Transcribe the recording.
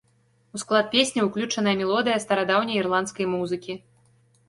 У склад песні ўключаная мелодыя старадаўняй ірландскай музыкі.